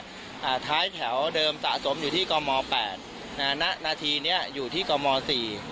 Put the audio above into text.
อ่าท้ายแถวเดิมสะสมอยู่ที่กมแปดอ่าณนาทีเนี้ยอยู่ที่กมสี่